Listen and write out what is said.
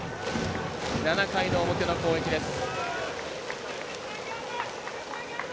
７回の表の攻撃です。